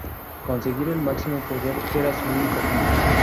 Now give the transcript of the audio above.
Conseguir el máximo poder era su único fin.